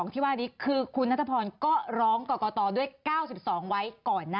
ที่ว่านี้คือคุณนัทพรก็ร้องกรกตด้วย๙๒ไว้ก่อนนะ